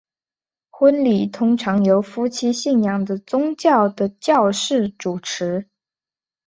婚礼通常由夫妻信仰的宗教的教士主持。